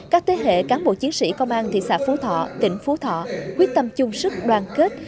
các thế hệ cán bộ chiến sĩ công an thị xã phú thọ tỉnh phú thọ quyết tâm chung sức đoàn kết